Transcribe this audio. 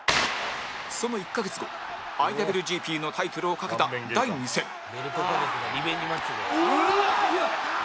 その１カ月後 ＩＷＧＰ のタイトルを懸けた第２戦「リベンジマッチで」